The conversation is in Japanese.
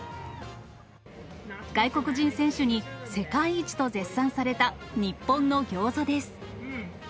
外国人選手に、世界一と絶賛された日本のギョーザです。